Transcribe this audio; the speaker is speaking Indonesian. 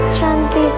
selamat tinggal nga